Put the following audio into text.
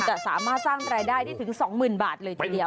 จะสามารถสร้างรายได้ได้ถึง๒๐๐๐บาทเลยทีเดียว